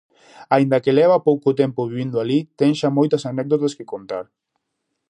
Aínda que leva pouco tempo vivindo alí, ten xa moitas anécdotas que contar.